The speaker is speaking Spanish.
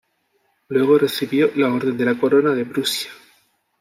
Luego, recibió la Orden de la Corona de Prusia.